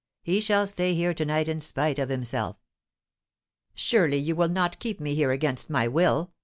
He shall stay here to night, in spite of himself." "Surely you will not keep me here against my will?"